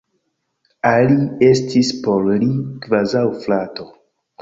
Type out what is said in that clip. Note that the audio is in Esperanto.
Ali estis por li kvazaŭ frato.